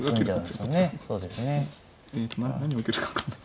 何を受けるか分かんない。